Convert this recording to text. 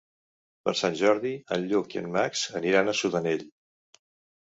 Per Sant Jordi en Lluc i en Max aniran a Sudanell.